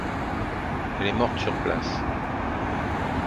Elle est morte sur place.